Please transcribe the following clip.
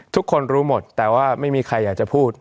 ทุกคนรู้หมดแต่ว่าไม่มีใครอยากจะพูด